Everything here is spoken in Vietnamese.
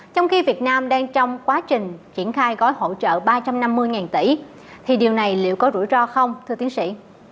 trong khi việt nam đang trong quá trình triển khai gói hỗ trợ ba trăm năm mươi tỷ thì điều này liệu có rủi ro không thưa tiến sĩ